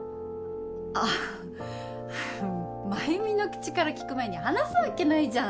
あ繭美の口から聞く前に話すわけないじゃん。